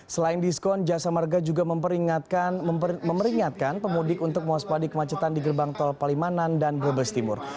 selain diskon jasa marga juga memperingatkan pemudik untuk mengospadi kemacetan di gerbang tol palimanan dan bebelstimur